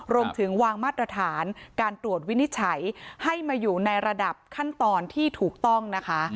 รวมถึงวางมาตรฐานการตรวจวินิจฉัยให้มาอยู่ในระดับขั้นตอนที่ถูกต้องนะคะ